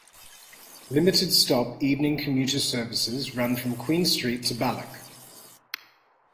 Limited stop evening commuter services run from Queen Street to Balloch.